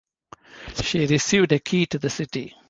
She received a key to the city.